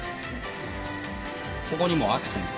ここにもアクセント。